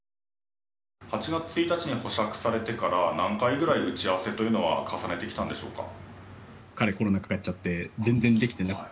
８月１日に保釈されてから何回ぐらい、打ち合わせは重ねてきたんでしょうか？